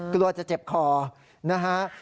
กลัวจะเจ็บคอนะฮะ